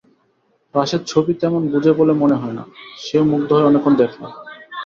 রাশেদ ছবি তেমন বোঝে বলে মনে হয় না-সেও মুগ্ধ হয়ে অনেকক্ষণ দেখল।